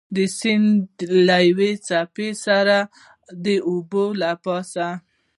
د سیند له یوې څپې سره د اوبو له پاسه.